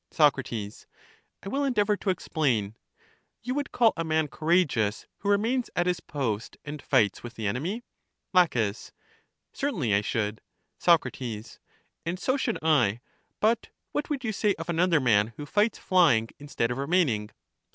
Soc, I will endeavor to explain; you would call a man courageous, who remains at his post, and fights with the enemy ? La, Certainly I should. Soc, And so should I; but what would you say of another man, who fights flying, instead of remain ing?